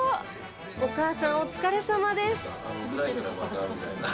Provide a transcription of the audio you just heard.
お母さんお疲れさまです。